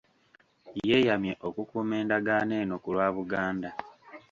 Yeeyamye okukuuma endagaano eno ku lwa Buganda